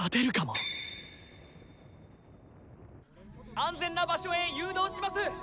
安全な場所へ誘導します！